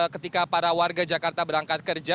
ketika para warga jakarta berangkat kerja